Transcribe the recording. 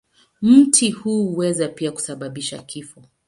Mti huu huweza pia kusababisha kifo.